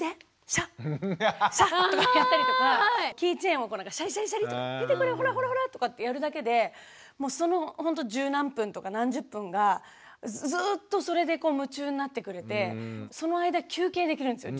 シャッシャッとかやったりとかキーチェーンをシャリシャリシャリッて「見てこれほらほらほら」とかってやるだけでもうそのほんと十何分とか何十分がずっとそれで夢中になってくれてその間休憩できるんですよ。